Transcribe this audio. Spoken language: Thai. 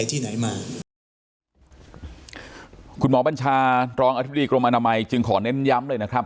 ที่ไหนมาคุณหมอบัญชารองอธิบดีกรมอนามัยจึงขอเน้นย้ำเลยนะครับ